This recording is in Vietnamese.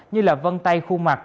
như là vân tay khu mặt